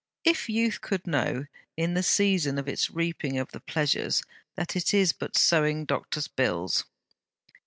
If Youth could know, in the season of its reaping of the Pleasures, that it is but sowing Doctor's bills!"'